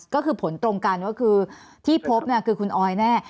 ก็คือผลตรงกันก็คือที่พบคือคุณออยแน่